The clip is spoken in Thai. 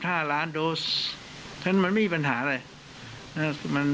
ล้านโดสฉะนั้นมันไม่มีปัญหาอะไร